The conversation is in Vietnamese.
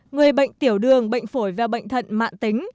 người bệnh tiểu đường bệnh phổi và bệnh thận mạng tính